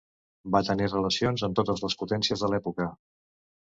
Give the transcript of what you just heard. Va tenir relacions amb totes les potències de l'època.